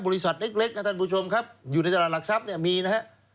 บริษัทเล็กนะครับท่านผู้ชมครับอยู่ในจัดลาดหลักทรัพย์นี้มีนะครับ